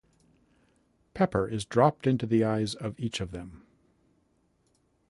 Pepper is dropped into the eyes of each of them.